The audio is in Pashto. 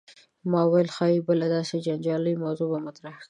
ما ویل ښايي بله داسې جنجالي موضوع به مطرح کړې.